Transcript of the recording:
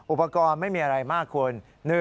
อุปกรณ์ไม่มีอะไรมากคุณ